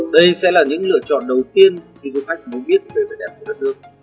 đây sẽ là những lựa chọn đầu tiên khi du khách muốn biết về vẻ đẹp của đất nước